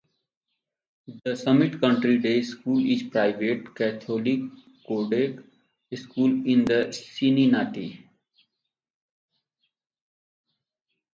The Summit Country Day School is a private, Catholic, co-ed school in Cincinnati.